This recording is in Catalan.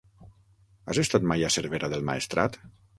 Has estat mai a Cervera del Maestrat?